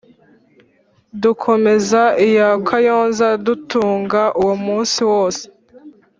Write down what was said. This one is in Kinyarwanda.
dukomeza iya kayonza kudutunga uwo munsi wose